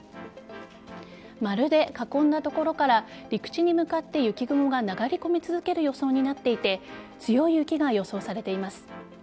丸で囲んだところから陸地に向かって雪雲が流れ込み続ける予想になっていて強い雪が予想されています。